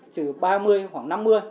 từ ba mươi khoảng chín mươi